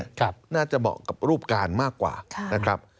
น่าจะเหมาะกับรูปการณ์มากกว่านะครับ